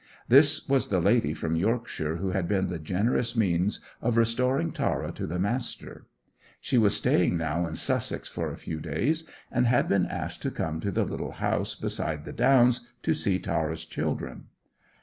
This was the lady from Yorkshire who had been the generous means of restoring Tara to the Master. She was staying now in Sussex for a few days, and had been asked to come to the little house beside the downs to see Tara's children.